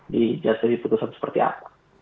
di jasus keputusan seperti apa